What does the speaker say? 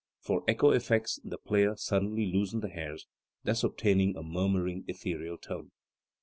For echo effects the player suddenly loosened the hairs, thus obtaining a murmuring, ethereal tone.